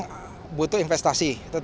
kalau melihat kondisi saat ini memang